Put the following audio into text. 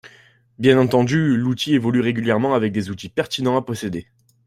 Bien entendu, l'outil évolue régulièrement avec des outils pertinents à posséder.